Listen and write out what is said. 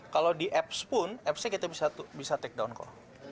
kalau di apps pun appsnya kita bisa take down kok